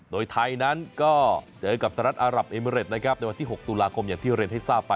โดยไทยนั้นก็เจอกับสหรัฐอารับเอเมริตนะครับในวันที่๖ตุลาคมอย่างที่เรียนให้ทราบไป